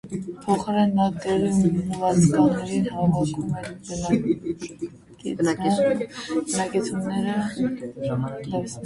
Փոխարենը, նա տեղի մուրացկաններին հավաքում և բնակեցնում է ֆերմայի հարակից շինությունում։